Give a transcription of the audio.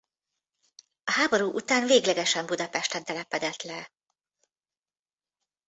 A háború után véglegesen Budapesten telepedett le.